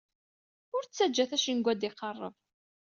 Ur ttaǧǧat acengu ad iqerreb.